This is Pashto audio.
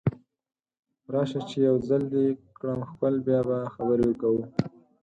راشه چې یو ځل دې کړم ښکل بیا به خبرې کوو